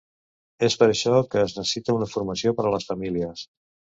És per això que es necessita una formació per a les famílies.